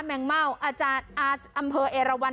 แมงเม่าอาจารย์อำเภอเอราวัน